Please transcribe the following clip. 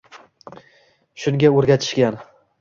Shunga o`rgatishgan